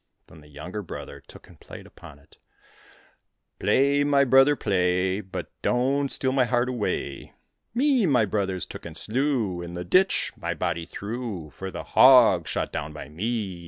Then the younger brother took and played upon it :" Play, my brother, play. But don't steal my heart away I Me my brothers took and slew. In the ditch my body threw. For the hog shot down by me.